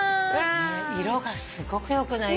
色がすごくよくない？